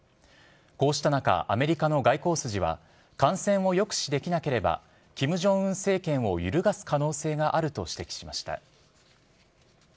こうした中、アメリカの外交筋は、感染を抑止できなければ、キム・ジョンウン政権を揺るがす可能性があると指摘しました。